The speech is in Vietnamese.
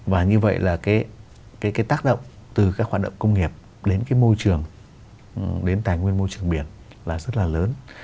và như vậy là cái tác động từ các hoạt động công nghiệp đến cái môi trường đến tài nguyên môi trường biển là rất là lớn